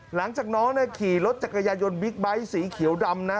หลังจากน้องขี่รถจักรยายนบิ๊กไบท์สีเขียวดำนะ